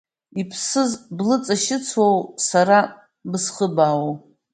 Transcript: Иԥсыз блыҵашьыцуоу, сара бысхыбаауоу?